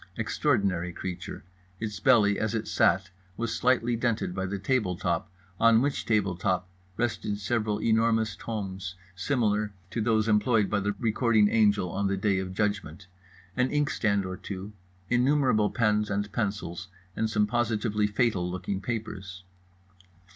Extraordinary creature. Its belly, as it sat, was slightly dented by the table top, on which table top rested several enormous tomes similar to those employed by the recording angel on the Day of Judgment, an inkstand or two, innumerable pens and pencils, and some positively fatal looking papers.